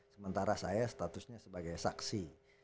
sementara saya statusnya sebagai saksi